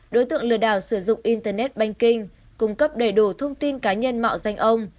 đối tượng lừa đảo sử dụng internet banking cung cấp đầy đủ thông tin cá nhân mạo danh ông